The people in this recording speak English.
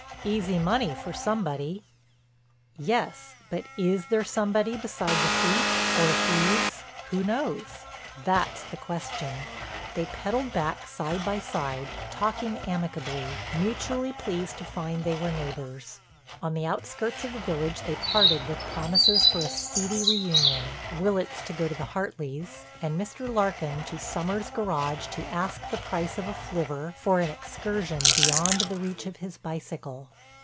"Easy money for somebody." "Yes, but is there somebody beside the thief—or thieves—who knows? That's the question." They pedaled back side by side talking amicably, mutually pleased to find they were neighbors. On the outskirts of the village they parted with promises for a speedy reunion, Willitts to go to the Hartleys, and Mr. Larkin to Sommers' garage to ask the price of a flivver for an excursion beyond the reach of his bicycle.